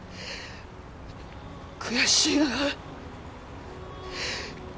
悔しいなあ